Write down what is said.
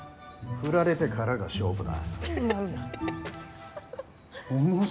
振られてからが勝負だ！